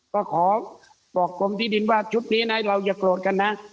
ก็ขอบอกกรมที่ดินว่าชุดนี้นะเราอย่าโกรธกันนะ